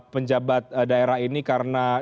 penjabat daerah ini karena